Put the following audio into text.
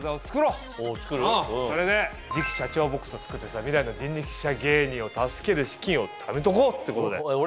うんそれで次期社長ボックスを作ってさ未来の人力舎芸人を助ける資金をためとこう！ってことで。